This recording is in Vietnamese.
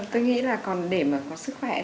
tôi nghĩ là còn để mà có sức khỏe